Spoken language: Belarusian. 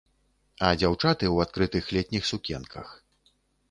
А дзяўчаты ў адкрытых летніх сукенках.